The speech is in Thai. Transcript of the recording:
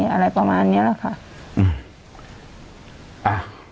อะไรประมาณนี้แหละค่ะ